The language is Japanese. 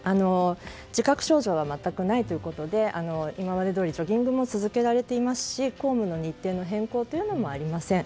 自覚症状は全くないということで今までどおりジョギングも続けられていますし公務の日程の変更というのもありません。